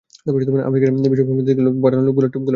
American bishop সমিতি থেকে পাঠানো টেপগুলো পেয়েছ?